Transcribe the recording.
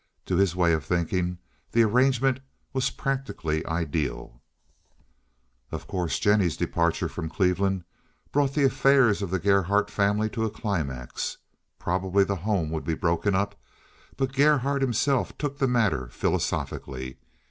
To his way of thinking the arrangement was practically ideal. Of course Jennie's departure from Cleveland brought the affairs of the Gerhardt family to a climax. Probably the home would be broken up, but Gerhardt himself took the matter philosophically.